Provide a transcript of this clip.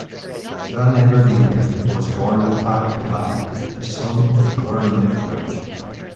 Van Everdingen was born at Alkmaar, the son of a government clerk.